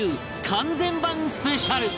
完全版スペシャル